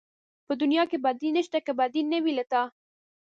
په دنيا کې بدي نشته که بدي نه وي له تا